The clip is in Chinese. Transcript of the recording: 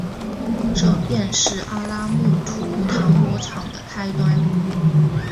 这便是阿拉木图糖果厂的开端。